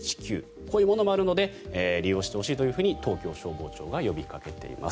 こういうものもあるので利用してほしいと東京消防庁が呼びかけています。